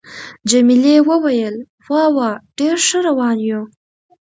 جميلې وويل:: وا وا، ډېر ښه روان یو.